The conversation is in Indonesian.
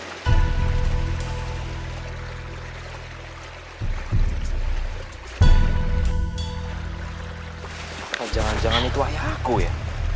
apa jangan jangan itu ayahku ya